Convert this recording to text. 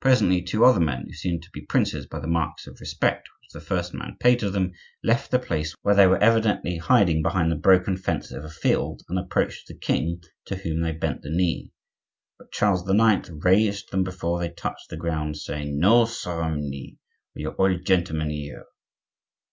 Presently two other men, who seemed to be princes by the marks of respect which the first man paid to them, left the place where they were evidently hiding behind the broken fence of a field, and approached the king, to whom they bent the knee. But Charles IX. raised them before they touched the ground, saying:— "No ceremony, we are all gentlemen here."